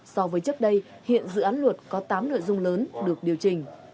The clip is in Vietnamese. so với trước đây hiện dự án luật có tám nội dung lớn được điều chỉnh